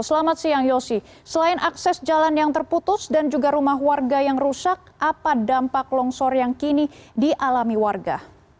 selamat siang yosi selain akses jalan yang terputus dan juga rumah warga yang rusak apa dampak longsor yang kini dialami warga